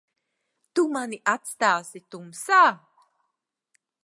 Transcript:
Tu mani atstāsi tumsā?